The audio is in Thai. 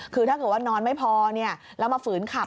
คือถ้าเกิดว่านอนไม่พอแล้วมาฝืนขับ